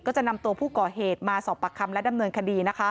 จะนำตัวผู้ก่อเหตุมาสอบปากคำและดำเนินคดีนะคะ